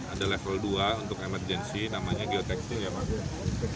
ada level dua untuk emergensi namanya geotekstil ya pak